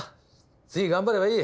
次頑張ればいい。